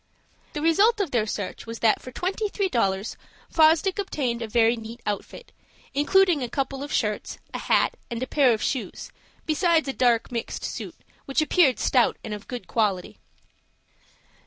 The result of their search was that for twenty three dollars Fosdick obtained a very neat outfit, including a couple of shirts, a hat, and a pair of shoes, besides a dark mixed suit, which appeared stout and of good quality.